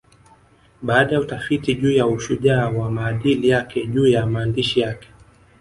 Baada ya utafiti juu ya ushujaa wa maadili yake juu ya maandishi yake